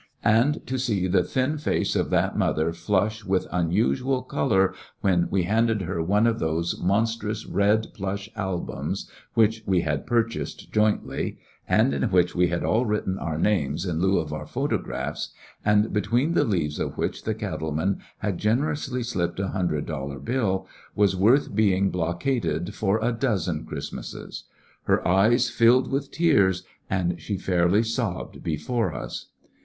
And to see the thin face of that mother flush with unusual color when we handed her one of those monstrous red plush albums which we had purchased jointly, and in which we had all written our names in Ueu of our photographs, and between the leaves of which the cattle man had generously slipped a hundred dollar bill, was worth being blockaded for a dozen Christmases, Her eyes jSlled with tears, and she fairly sobbed be fore us.